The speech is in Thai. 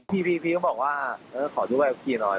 พี่ก็บอกว่าเออขอดูใบขับขี่หน่อย